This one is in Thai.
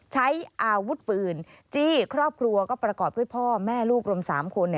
ใช้อาวุธปืนจี้ครอบครัวก็ประกอบด้วยพ่อแม่ลูกรวม๓คน